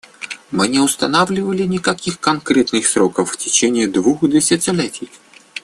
Мы не устанавливали никаких конкретных сроков в течение двух десятилетий.